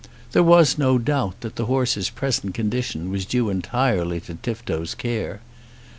There was no doubt that the horse's present condition was due entirely to Tifto's care.